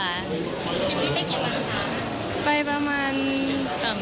คิดว่าพี่ไปเกี่ยวกันไหมค่ะ